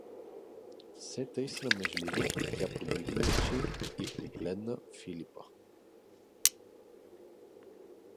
Все тъй срамежливо, тя подигна очи и погледна Филипа.